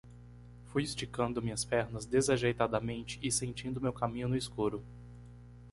Fui esticando minhas pernas desajeitadamente e sentindo meu caminho no escuro.